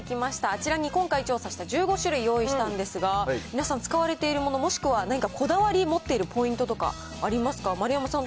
あちらに今回調査した１５種類、用意したんですが、皆さん、使われているもの、もしくは何かこだわり持っているポイントとかありますか？